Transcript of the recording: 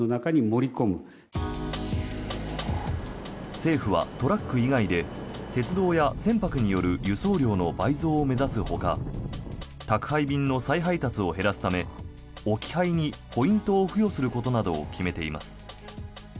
政府はトラック以外で鉄道や船舶による輸送量の倍増を目指すほか宅配便の再配達を減らすため置き配にポイントを付与することなどを決めています。